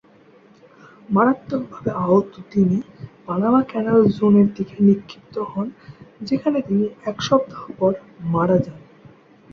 মারাত্মকভাবে আহত, তিনি পানামা ক্যানাল জোনের দিকে নিক্ষিপ্ত হন যেখানে তিনি এক সপ্তাহ পর মারা যান।